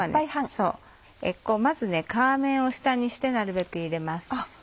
まず皮面を下にしてなるべく入れます。